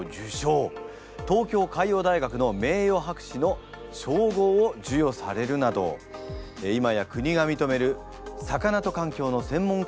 東京海洋大学の名誉博士の称号をじゅよされるなど今や国がみとめる魚と環境の専門家であります。